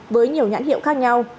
với nhiều nhãn hiệu khác nhau